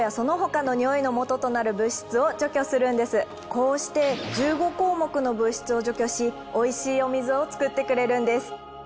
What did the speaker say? こうして１５項目の物質を除去しおいしいお水を作ってくれるんです。